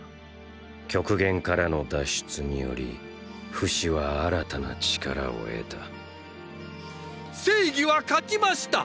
極限からの脱出によりフシは新たな力を得た正義は勝ちました！！